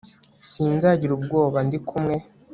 sinzagira ubwoba ndikumwe